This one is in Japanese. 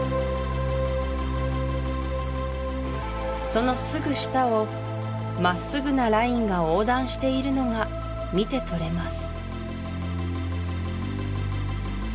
そのすぐ下をまっすぐなラインが横断しているのが見てとれます